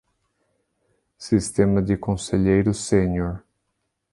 Sistema de conselheiro sênior